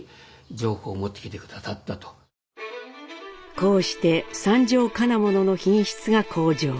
こうして三条金物の品質が向上。